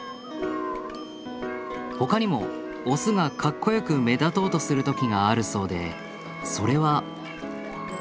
ほかにもオスがかっこよく目立とうとする時があるそうでそれは。